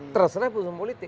terserah keputusan politik